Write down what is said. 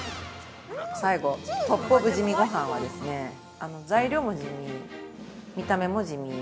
◆最後トップ・オブ・地味ごはんは材料も地味、見た目も地味。